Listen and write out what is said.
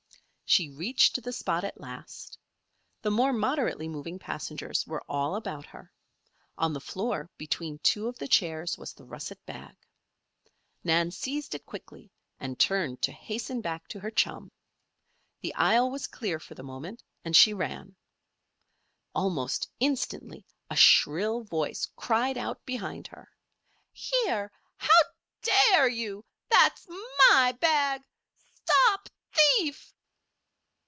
She reached the spot at last. The more moderately moving passengers were all about her. On the floor between two of the chairs was the russet bag. Nan seized it quickly and turned to hasten back to her chum. The aisle was clear for the moment and she ran. Almost instantly a shrill voice cried out behind her: "Here! how dare you? That's my bag. Stop thief!"